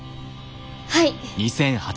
はい。